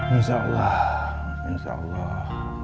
insya allah insya allah